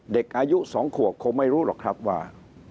เด็กอายุ๒ขวบคงไม่รู้หรอกครับว่า